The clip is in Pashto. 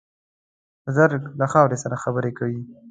بزګر له خاورې سره خبرې کوي